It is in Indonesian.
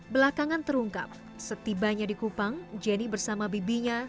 belakangan terungkap setibanya di kupang jenny bersama bibinya